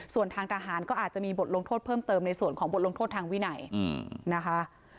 ส่วนทางทหารก็อาจจะมีบทลงโทษเพิ่มเติมในส่วนของบทลงโทษทางวินัยนะคะ